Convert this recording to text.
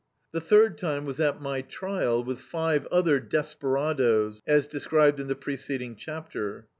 The third time was at my trial with five other desperadoes, as de scribed in the preceding chapter.